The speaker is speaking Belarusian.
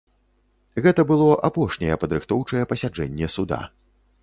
Гэта было апошняе падрыхтоўчае пасяджэнне суда.